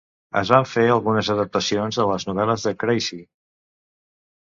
Es van fer algunes adaptacions de les novel·les de Creasey.